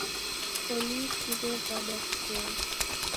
Polisi wewada vitoi.